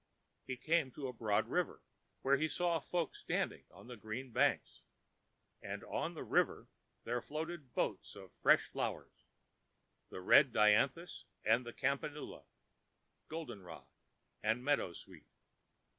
He came to the broad river, where he saw folk standing on the green banks. And on the river there floated boats of fresh flowers, the red dianthus and the campanula, golden rod and meadow sweet.